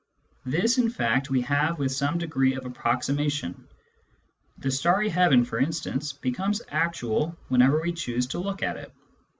This, in fact, we have with some degree of approximation ; the starry heaven, for instance, becomes actual whenever we choose to look at it.